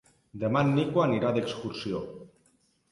Demà en Nico anirà d'excursió.